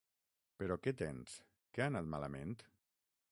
Però què tens? Que ha anat malament?